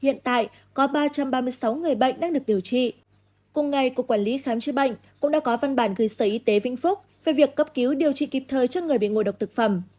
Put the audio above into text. hiện tại có ba trăm ba mươi sáu người bệnh đang được điều trị cùng ngày cục quản lý khám chữa bệnh cũng đã có văn bản gửi sở y tế vĩnh phúc về việc cấp cứu điều trị kịp thời cho người bị ngộ độc thực phẩm